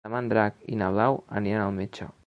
Demà en Drac i na Blau iran al metge.